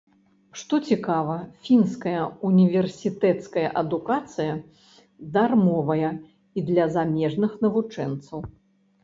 Што цікава, фінская універсітэцкая адукацыя дармовая і для замежных навучэнцаў.